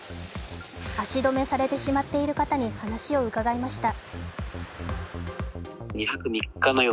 足止めされてしまっている方に話を伺いました。